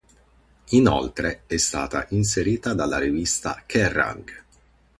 Inoltre è stata inserita dalla rivista "Kerrang!